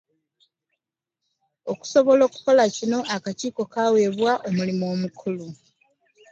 Okusobola okukola kino, akakiiko kaaweebwa omulimu omukulu.